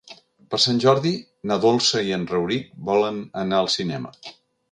Per Sant Jordi na Dolça i en Rauric volen anar al cinema.